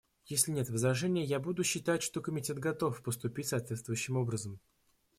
Если нет возражений, я буду считать, что Комитет готов поступить соответствующим образом.